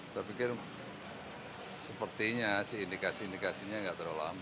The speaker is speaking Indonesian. saya pikir sepertinya sih indikasi indikasinya nggak terlalu lama